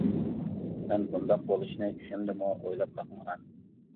مەن بۇنداق بولۇشىنى چۈشۈمدىمۇ ئويلاپ باقمىغان.